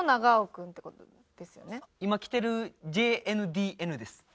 今キテるＪＮＤＮです。